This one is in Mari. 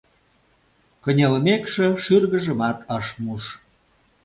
Кынелмекше, шӱргыжымат ыш муш.